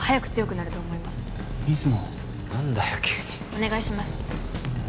お願いします！